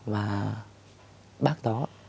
và bác đó